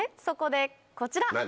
そこでこちら！